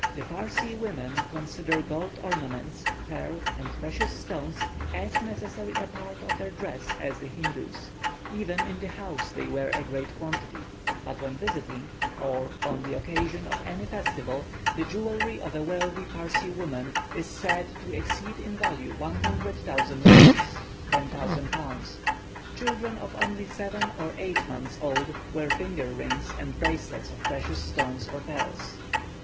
The Parsee women consider gold ornaments, pearl and precious stones as necessary a part of their dress as the Hindoos; even in the house they wear a great quantity, but when visiting, or on the occasion of any festival, the jewellery of a wealthy Parsee woman is said to exceed in value 100,000 rupees (10,000 pounds). Children of only seven or eight months old, wear finger rings and bracelets of precious stones or pearls.